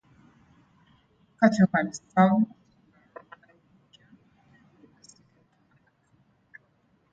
Cato had served in the Roman Legion during the Second Punic War.